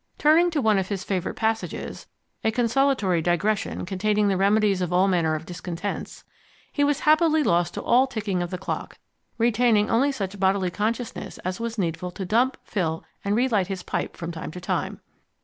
Turning to one of his favourite passages "A Consolatory Digression, Containing the Remedies of All Manner of Discontents" he was happily lost to all ticking of the clock, retaining only such bodily consciousness as was needful to dump, fill, and relight his pipe from time to time.